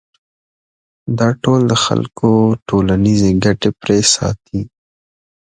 دا ټول د خلکو اجتماعي ګټې پرې ساتي.